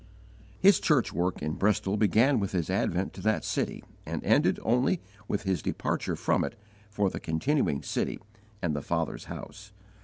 His church work in Bristol began with his advent to that city and ended only with his departure from it for the continuing city and the Father's House.